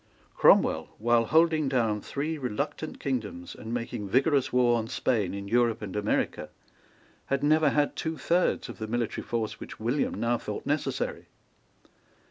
Cromwell, while holding down three reluctant kingdoms, and making vigorous war on Spain in Europe and America, had never had two thirds of the military force which William now thought necessary.